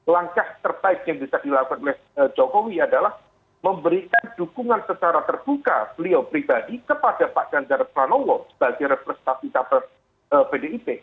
langkah terbaik yang bisa dilakukan oleh jokowi adalah memberikan dukungan secara terbuka beliau pribadi kepada pak ganjar pranowo sebagai representasi capres pdip